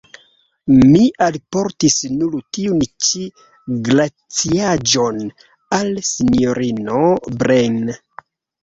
Mi alportis nur tiun ĉi glaciaĵon al sinjorino Breine.